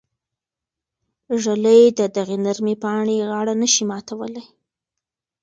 ږلۍ د دغې نرمې پاڼې غاړه نه شي ماتولی.